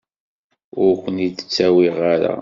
Ur ken-id-ttawiɣ ara.